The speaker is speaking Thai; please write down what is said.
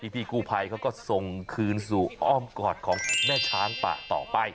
พี่กู้ภัยเขาก็ส่งคืนสู่อ้อมกอดของแม่ช้างป่าต่อไป